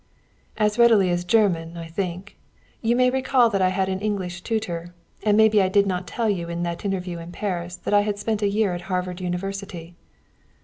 "As readily as German, I think. You may recall that I had an English tutor, and maybe I did not tell you in that interview at Paris that I had spent a year at Harvard University."